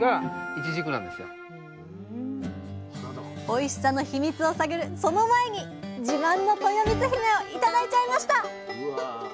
おいしさのヒミツを探るその前に自慢のとよみつひめを頂いちゃいました！